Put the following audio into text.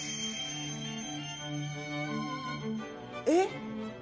えっ！？